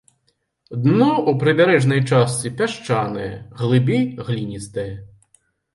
Дно ў прыбярэжнай частцы пясчанае, глыбей гліністае.